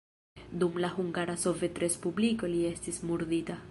Dum la Hungara Sovetrespubliko li estis murdita.